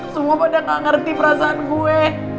semua pada gak ngerti perasaan gue